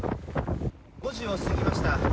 ５時を過ぎました。